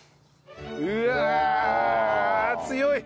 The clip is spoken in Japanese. うわ強い！